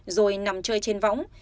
rồi nằm chơi trên võng